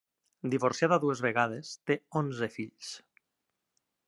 Divorciada dues vegades, té onze fills.